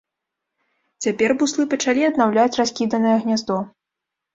Цяпер буслы пачалі аднаўляць раскіданае гняздо.